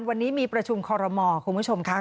วันนี้มีประชุมคอรมอคุณผู้ชมค่ะ